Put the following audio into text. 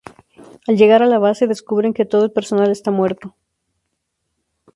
Al llegar a la base, descubren que todo el personal está muerto.